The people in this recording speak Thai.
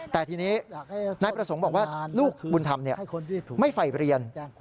แต่ทีนี้นายประสงค์บอกว่าลูกบุญธรรมไม่ฝ่ายเรียน